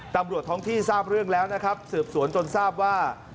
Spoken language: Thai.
ตำรวจท้องที่ทราบเรื่องแล้วนะครับสืบสวนจนทราบว่า